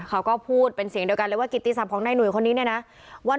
เขาก็พูดเป็นเสียงเดียวกันเลยว่ากิติศัพท์ของนายหนุ่ยคนนี้เนี่ยนะ